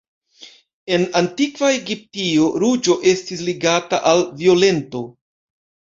En antikva Egiptio ruĝo estis ligata al violento.